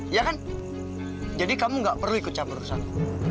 iya kan jadi kamu gak perlu kecam perusahaanku